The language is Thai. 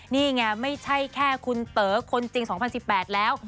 นี่ไงไม่ใช่แค่คุณเต๋อคนจริง๒๐๑๘แล้ว